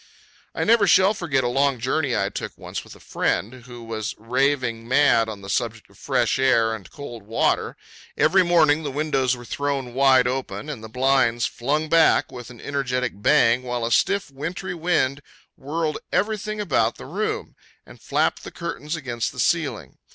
I never shall forget a long journey I took once with a friend who was raving mad on the subject of fresh air and cold water. Every morning the windows were thrown wide open, and the blinds flung back with an energetic bang, while a stiff wintry wind whirled every thing about the room, and flapped the curtains against the ceiling.